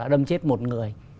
đâm chết một người